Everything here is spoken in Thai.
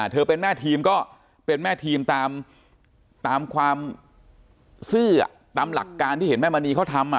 เธอเป็นแม่ทีมก็เป็นแม่ทีมตามความซื่อตามหลักการที่เห็นแม่มณีเขาทำ